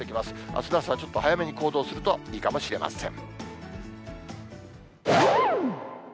あすの朝、ちょっと早めに行動するといいかもしれません。